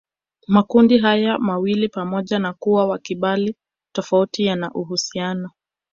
Makundi haya mawili pamoja na kuwa makibali tofauti yana uhusiano